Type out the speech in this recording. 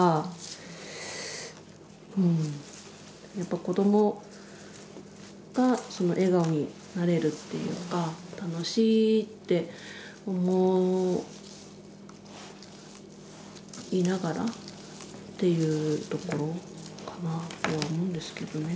やっぱ子どもが笑顔になれるっていうか楽しいって思いながらっていうところかなとは思うんですけどね。